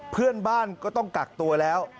เพื่อนบ้านก็ต้องกักตัวแล้ว